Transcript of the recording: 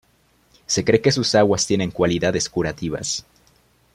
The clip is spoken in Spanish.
Se cree que sus aguas tienen cualidades curativas.